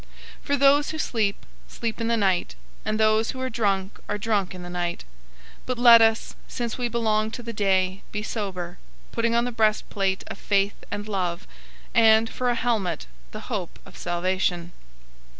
005:007 For those who sleep, sleep in the night, and those who are drunk are drunk in the night. 005:008 But let us, since we belong to the day, be sober, putting on the breastplate of faith and love, and, for a helmet, the hope of salvation.